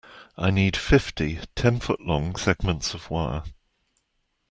I need fifty ten-foot-long segments of wire.